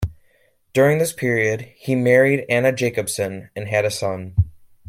During this period, he married Anna Jacobsen and had a son.